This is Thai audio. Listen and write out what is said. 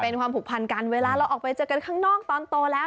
เป็นความผูกพันกันเวลาเราออกไปเจอกันข้างนอกตอนโตแล้ว